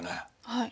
はい。